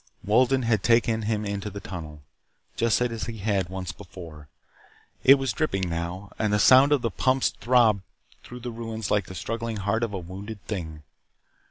Wolden had taken him into the tunnel, just as he had once before. It was dripping now, and the sound of the pumps throbbed through the ruins like the struggling heart of a wounded thing.